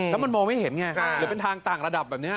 แล้วมันมองไม่เห็นไงหรือเป็นทางต่างระดับแบบนี้